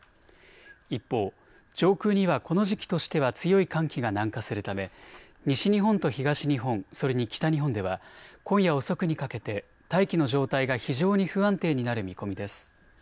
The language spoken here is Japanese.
一方、上空にはこの時期としては強い寒気が南下するため西日本と東日本、それに北日本では今夜遅くにかけて大気の状態が非常に不安定になる見込みです。